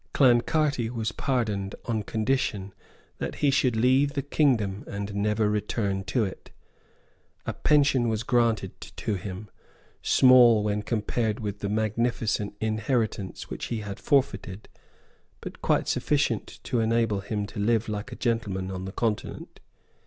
Clancarty was pardoned on condition that he should leave the kingdom and never return to it. A pension was granted to him, small when compared with the magnificent inheritance which he had forfeited, but quite sufficient to enable him to live like a gentleman on the Continent.